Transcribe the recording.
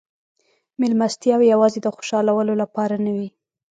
مېلمستیاوې یوازې د خوشحالولو لپاره نه وې.